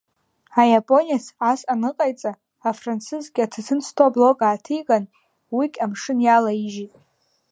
Аиапонец ас аныҟаиҵа, афранцызгьы аҭаҭын зҭо аблок ааҭиган, уигь амшын иалаижьит.